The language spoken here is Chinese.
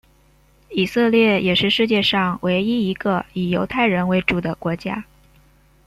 以色列也是世界上唯一一个以犹太人为主的国家。